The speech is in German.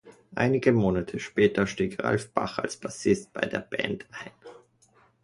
Einige Monate später stieg Ralph Bach als Bassist bei der Band ein.